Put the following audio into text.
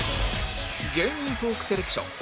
芸人トーークセレクション